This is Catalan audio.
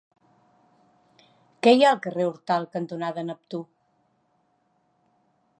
Què hi ha al carrer Hortal cantonada Neptú?